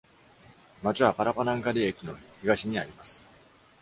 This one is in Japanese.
町はパラパナンガディ駅の東にあります。